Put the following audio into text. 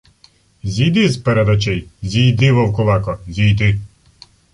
— Зійди з-перед очей! Зійди, вовкулако!.. Зійди!..